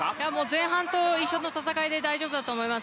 前半と一緒の戦いで大丈夫だと思います。